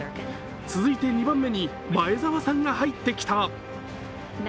続いて２番目に前澤さんが入ってきた。